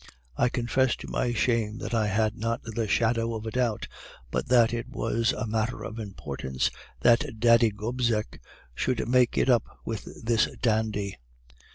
I confess, to my shame, that I had not the shadow of a doubt but that it was a matter of importance that Daddy Gobseck should make it up with this dandy.